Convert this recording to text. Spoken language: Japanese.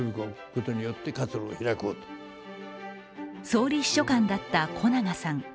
総理秘書官だった小長さん。